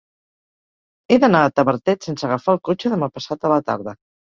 He d'anar a Tavertet sense agafar el cotxe demà passat a la tarda.